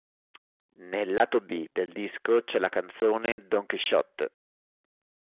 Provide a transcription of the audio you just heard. Nel lato B del disco c'è la canzone "Don Chisciotte".